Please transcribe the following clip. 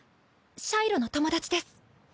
シャイロの友達です。